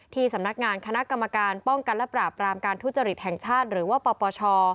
สำนักงานคณะกรรมการป้องกันและปราบรามการทุจริตแห่งชาติหรือว่าปปช